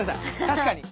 確かに。